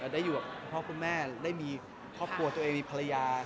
ได้อยู่กับคุณพ่อคุณแม่ได้มีครอบครัวตัวเองมีภรรยา